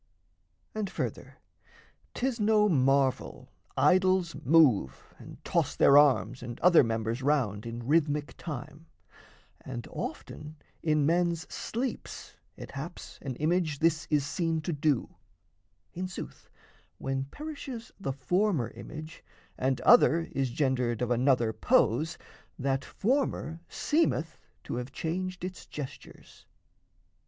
And further, 'tis no marvel idols move And toss their arms and other members round In rhythmic time and often in men's sleeps It haps an image this is seen to do; In sooth, when perishes the former image, And other is gendered of another pose, That former seemeth to have changed its gestures.